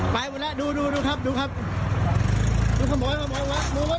ไปหมดแล้วดูดูดูครับดูครับดูขโมยขโมวัดดูครับ